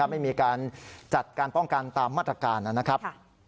ไม่มีการจัดการป้องกันตามมาตรการนะครับ